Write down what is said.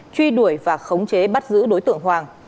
truy đuổi và khống chế bắt giữ đối tượng hoàng